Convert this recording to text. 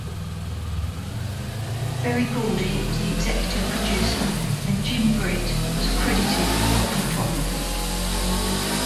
Berry Gordy was the executive producer and Jim Britt was credited for photography.